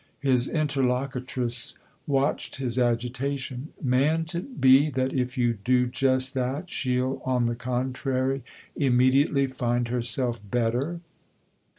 His interlocutress watched his agitation. " Mayn't it be that if you do just that she'll, on the contrary, immediately find herself better